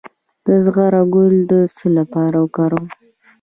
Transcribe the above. د زغر ګل د څه لپاره وکاروم؟